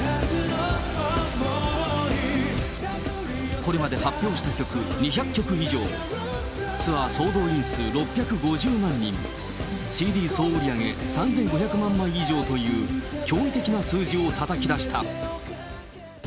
これまで発表した曲２００曲以上、ツアー総動員数６５０万人、ＣＤ総売り上げ３５００万枚以上という驚異的な数字をたたき出した。